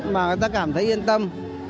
mà người ta cảm thấy yên tâm